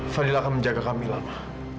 fadil akan menjaga kamila ma